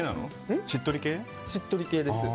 しっとり系なの？